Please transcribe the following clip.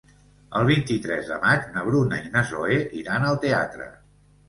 El vint-i-tres de maig na Bruna i na Zoè iran al teatre.